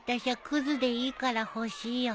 くずでいいから欲しいよ。